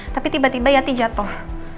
tapi tiba tiba yati jatuh